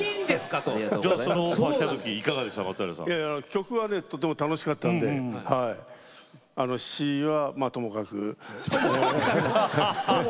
曲はねとっても楽しかったんで詞はともかく。